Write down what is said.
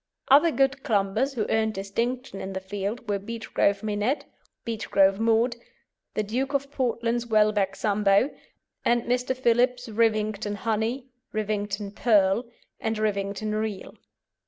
Other good Clumbers who earned distinction in the field were Beechgrove Minette, Beechgrove Maud, the Duke of Portland's Welbeck Sambo, and Mr. Phillips' Rivington Honey, Rivington Pearl, and Rivington Reel.